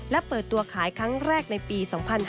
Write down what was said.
และเปิดตัวขายครั้งแรกในปี๒๕๕๙